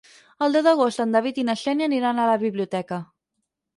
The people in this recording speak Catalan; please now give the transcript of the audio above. El deu d'agost en David i na Xènia aniran a la biblioteca.